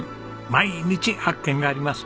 毎日発見があります。